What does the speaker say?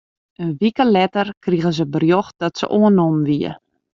In wike letter krige se berjocht dat se oannommen wie.